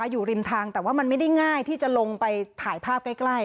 อยู่ริมทางแต่ว่ามันไม่ได้ง่ายที่จะลงไปถ่ายภาพใกล้